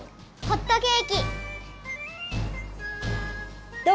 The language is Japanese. ホットケーキ？